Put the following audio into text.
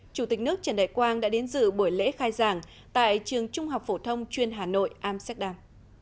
chủ tịch nước trần đại quang đã đến dự buổi lễ khai giảng tại trường trung học phổ thông chuyên hà nội amsterdam